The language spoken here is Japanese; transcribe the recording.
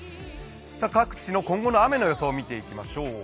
各地の今後の雨の予想を見ていきましょう。